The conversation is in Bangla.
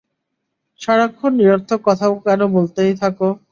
সারাক্ষণ নিরর্থক কথা কেন বলতেই থাকো?